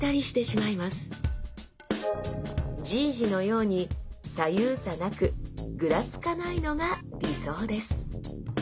じいじのように左右差なくぐらつかないのが理想です